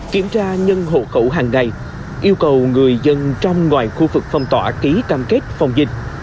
kiểm tra nhân hộ khẩu hàng ngày yêu cầu người dân trong ngoài khu vực phong tỏa ký cam kết phòng dịch